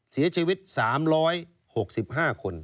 เสียชีวิต๓๖๕คน